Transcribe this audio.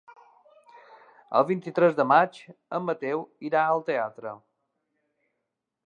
El vint-i-tres de maig en Mateu irà al teatre.